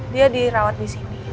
dia dirawat disini